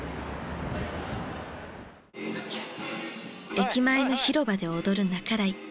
駅前の広場で踊る半井。